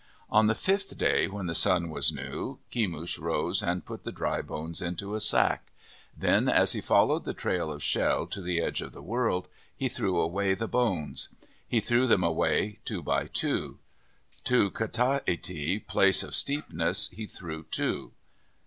On the fifth day, when the sun was new, Kemush rose and put the dry bones into a sack. Then as he followed the trail of Shel to the edge of the world, he threw away the bones. He threw them away two by two. To Kta iti, place of steepness, he threw two.